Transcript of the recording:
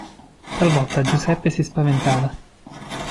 Talvolta Giuseppe si spaventava.